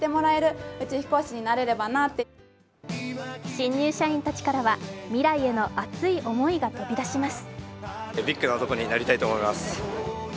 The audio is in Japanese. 新入社員たちからは、未来への熱い思いが飛び出します。